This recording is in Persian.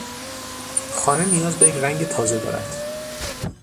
خانه نیاز به یک رنگ تازه دارد.